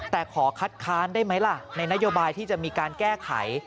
แต่ขอคัดค้านได้ไหมล่ะในนโยบายที่จะมีการแก้ไข